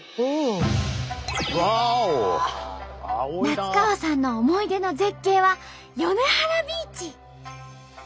夏川さんの思い出の絶景は米原ビーチ！